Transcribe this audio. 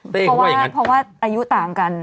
เพราะว่าอายุต่างกัน